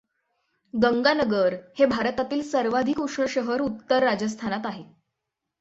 गंगानगर हे भारतातील सर्वाधिक उष्ण शहर उत्तर राजस्थानात आहे.